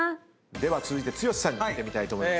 では続いて剛さんの見てみたいと思います。